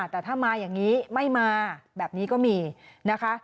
แต่ถ้ามาอย่างนี้ไม่มาแบบนี้ก็มีนะคะ